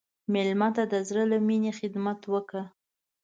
مېلمه ته د زړه له میني خدمت وکړه.